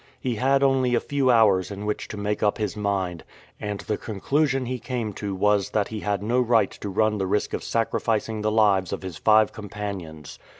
He had only a few hours in which to make up his mind, and the con clusion he came to was that he had no right to run the risk of sacrificing the lives of his five companions.